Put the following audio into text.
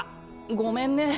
ごめんね。